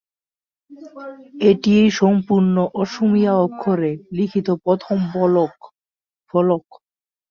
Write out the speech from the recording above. এটিই সম্পূর্ণ অসমীয়া অক্ষরে লিখিত প্রথম ফলক।